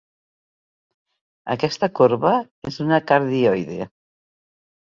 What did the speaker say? Aquesta corba és una cardioide.